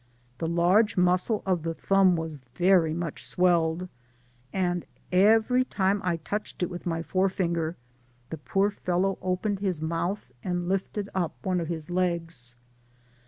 The large muscle of the thumb was very much swelled^ and every time I touched it with my fore fingei'i the poor fellow opmed his mouth, and lifted up one of his legs.